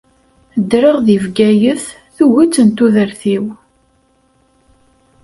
Ddreɣ di Bgayet tuget n tudert-iw.